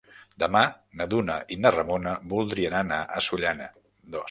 Demà na Duna i na Ramona voldrien anar a Sollana.